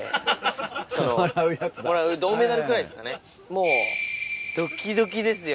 もうドキドキですよ